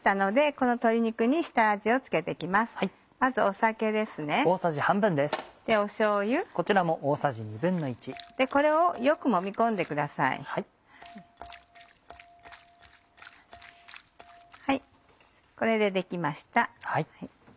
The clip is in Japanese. これで出来ました。